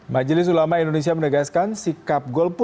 majelis ulama indonesia menegaskan sikap golput